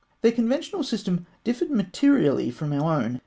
] Their conventional system differed materially from our own.